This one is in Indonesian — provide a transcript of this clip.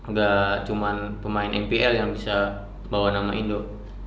nggak cuma pemain mpl yang bisa bawa nama indo